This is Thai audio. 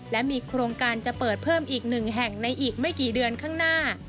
และมีโครงการจะเปิดเพิ่มอีก๑แห่งในอีกไม่กี่เดือนข้างหน้า